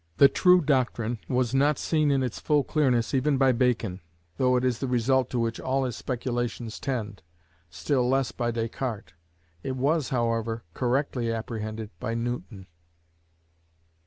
The true doctrine was not seen in its full clearness even by Bacon, though it is the result to which all his speculations tend: still less by Descartes. It was, however, correctly apprehended by Newton.